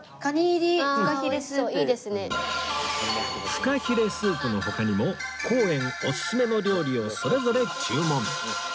フカヒレスープの他にも皇苑オススメの料理をそれぞれ注文！